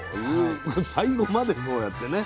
最後までそうやってね。